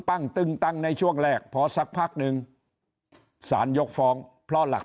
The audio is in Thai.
ตึงตังในช่วงแรกพอสักพักนึงสารยกฟ้องเพราะหลัก